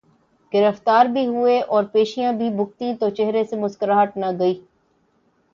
گرفتار بھی ہوئے اورپیشیاں بھی بھگتیں تو چہرے سے مسکراہٹ نہ گئی۔